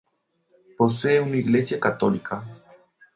Posee una iglesia católica.